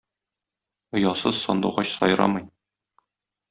Оясыз сандугач сайрамый.